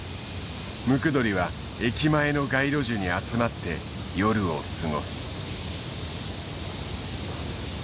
ムクドリは駅前の街路樹に集まって夜を過ごす。